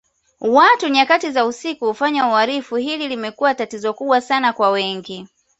Watu nyakati za usiku ufanya uhalifu hili limekuwa tatizo kubwa Sana kwa wengi